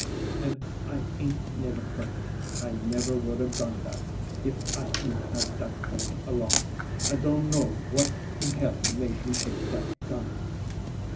An' I ain't never hurt her. I never would a done dat, if I ain't had dat gun along. I don' know what in hell make me take dat gun.